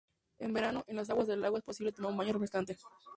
En verano, en las aguas del lago es posible tomar un baño refrescante.